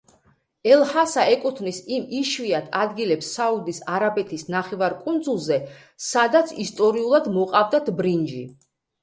ელ-ჰასა ეკუთვნის იმ იშვიათ ადგილებს საუდის არაბეთის ნახევარკუნძულზე სადაც ისტორიულად მოყავდათ ბრინჯი.